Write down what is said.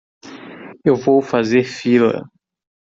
Eu vou fazer fila.